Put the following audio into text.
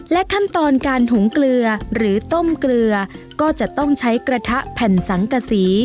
ขั้นตอนการหุงเกลือหรือต้มเกลือก็จะต้องใช้กระทะแผ่นสังกษี